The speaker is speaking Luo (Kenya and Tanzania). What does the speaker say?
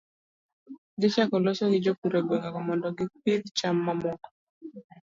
Dhi chako loso gi jopur egwengego mondo gipidh cham mamoko